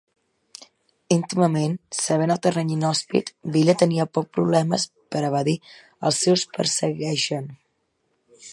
Íntimament sabent el terreny inhòspit, Villa tenia poc problemes per evadir als seus persegueixen.